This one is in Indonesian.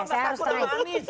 saya harus terangin